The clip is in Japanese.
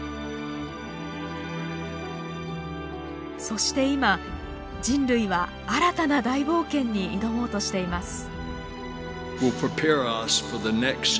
そして今人類は新たな大冒険に挑もうとしています。